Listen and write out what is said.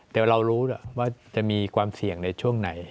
แต่เรารู้ว่าจะมีความเสี่ยงในช่วงไหน